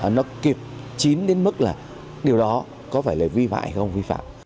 nó kịp chín đến mức là điều đó có phải là vi phạm hay không vi phạm